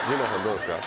どうですか？